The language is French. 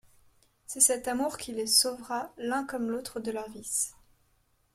C'est cet amour qui les sauvera l'un comme l'autre de leur vice.